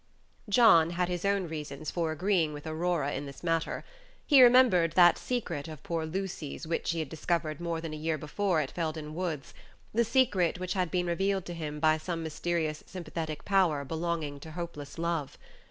John had his own reasons for agreeing with Aurora in this matter. He remembered that secret of poor Lucy's which he had discovered more than a year before at Felden Woods the secret which had been revealed to him by some mysterious sympathetic power belonging to hopeless love.